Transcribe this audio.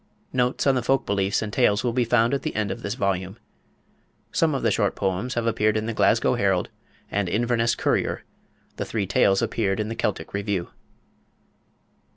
Notes on the folk beliefs and tales will be found at the end of this volume. Some of the short poems have appeared in the "Glasgow Herald" and "Inverness Courier"; the three tales appeared in the "Celtic Review."